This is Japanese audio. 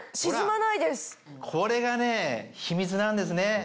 これがね秘密なんですね。